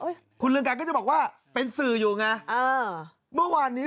เอ้ยคุณอ่าก็จะบอกว่าเป็นสื่ออยู่ไงเออเมื่อวานนี้